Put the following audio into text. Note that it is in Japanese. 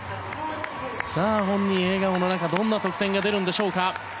本人、笑顔の中どんな得点でしょうか。